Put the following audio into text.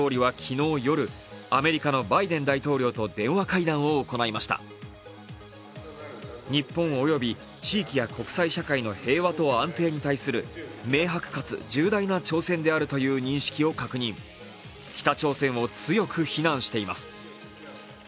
日本及び地域や国際社会の平和と安定に対する明白かつ重大な挑戦であるという認識を確認、北朝鮮を強く非難しています。